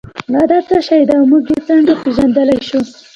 ماده څه شی ده او موږ یې څنګه پیژندلی شو